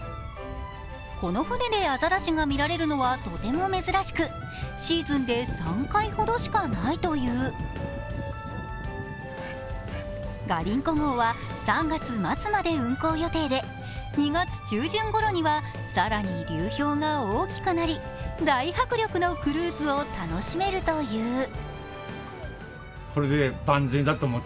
この船でアザラシが見られるのはとても珍しくシーズンで３回ほどしかないという「ガリンコ号」は３月末まで運航予定で２月中旬ごろには更に流氷が大きくなり、大迫力のクルーズを楽しめるという。